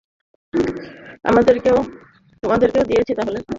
তোমাদেরকেও দিয়েছে তাহলে।